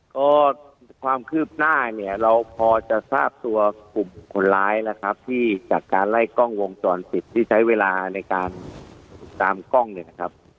ก็ความคืบหน้าเนี่ยเราพอจะทราบตัวกลุ่มคนร้ายนะครับที่จากการไล่กล้องวงจรปิดที่ใช้เวลาในการตามกล้องเนี่ยนะครับ